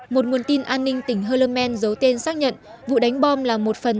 một nguồn tin an ninh tỉnh hollmen giấu tên xác nhận vụ đánh bom là một phần